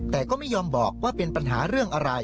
แต่ก็ไม่ยอมบอกว่าเป็นปัญหาเรื่องอะไร